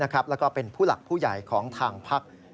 แล้วก็เป็นผู้หลักผู้ใหญ่ของทางพัก